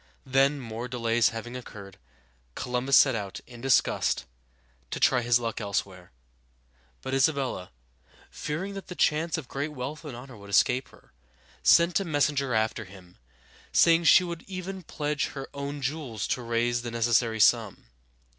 Then, more delays having occurred, Columbus set out, in disgust, to try his luck elsewhere. But Isabella, fearing that the chance of great wealth and honor would escape her, sent a messenger after him, saying she would even pledge her own jewels to raise the necessary sum.